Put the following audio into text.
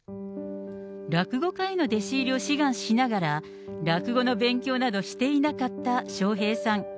落語家への弟子入りを志願しながら、落語の勉強などしていなかった笑瓶さん。